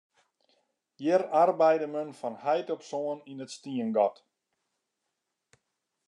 Hjir arbeide men fan heit op soan yn it stiengat.